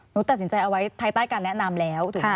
ตัดสินใจเอาไว้ภายใต้การแนะนำแล้วถูกไหม